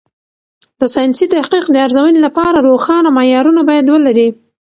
د ساینسي تحقیق د ارزونې لپاره روښانه معیارونه باید ولري.